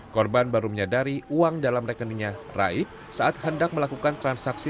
korban baru menyadari uang dalam rekeningnya raib saat hendak melakukan transaksi